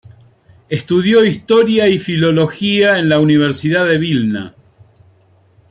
Estudió historia y filología en la Universidad de Vilna.